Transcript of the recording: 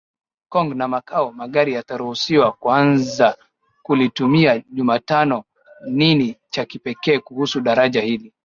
Kong na Macau Magari yataruhusiwa kuanza kulitumia Jumatano Nini cha kipekee kuhusu daraja hili